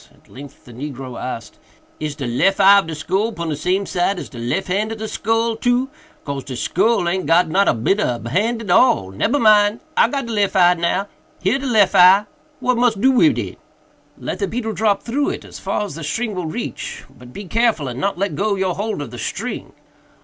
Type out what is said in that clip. At length the negro asked, "Is de lef eye of de skull pon de same side as de lef hand of de skull, too?—cause de skull aint got not a bit ob a hand at all—nebber mind! I got de lef eye now—here de lef eye! what mus do wid it?" "Let the beetle drop through it, as far as the string will reach—but be careful and not let go your hold of the string."